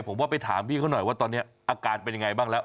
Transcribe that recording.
ผมว่าไปถามพี่เขาหน่อยว่าตอนนี้อาการเป็นยังไงบ้างแล้ว